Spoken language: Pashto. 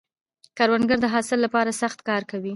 کروندګر د حاصل له پاره سخت کار کوي